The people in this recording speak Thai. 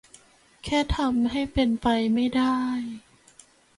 แค่ทำให้เป็นไปไม่ได้